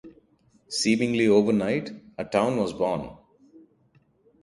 Seemingly overnight, a town was born.